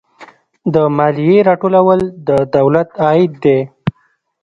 د مالیې راټولول د دولت عاید دی